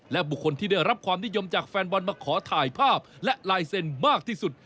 และบุคคลที่ได้รับความนิยมจากแฟนบอลมาขอถ่ายภาพและลายเซ็นต์มากที่สุด